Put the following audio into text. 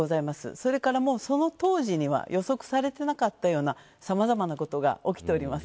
それから、その当時には予測されていなかったようなさまざまなことが起きております。